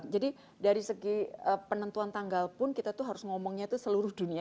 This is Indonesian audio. jadi dari segi penentuan tanggal pun kita harus ngomongnya seluruh dunia